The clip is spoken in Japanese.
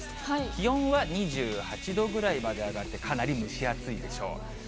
気温は２８度ぐらいまで上がってかなり蒸し暑いでしょう。